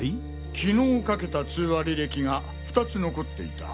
昨日かけた通話履歴が２つ残っていた。